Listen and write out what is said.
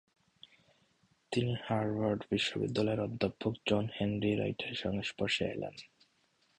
তিনি হার্ভার্ড বিশ্ববিদ্যালয়ের অধ্যাপক জন হেনরি রাইটের সংস্পর্শে এলেন।